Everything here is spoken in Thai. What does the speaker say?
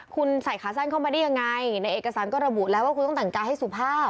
คุณใส่ขาสั้นเข้ามาได้ยังไงในเอกสารก็ระบุแล้วว่าคุณต้องแต่งกายให้สุภาพ